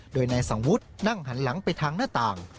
โดยนายสังวุฒินั่งหันหลังไปทางหน้าต่าง